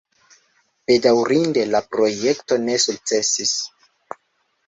Bedaŭrinde la projekto ne sukcesis.